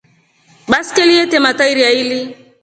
Baskeli lete matairi aili.